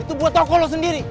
itu buat toko lo sendiri